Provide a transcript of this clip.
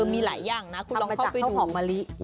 มีหลายอย่างนะคุณลองเข้าไปดู